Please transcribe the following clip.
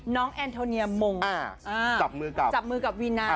น้องแอนโทเนียมงจับมือกับวีนาล